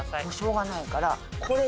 もうしょうがないから。